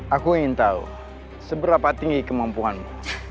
aku ingin tahu seberapa tinggi kemampuanmu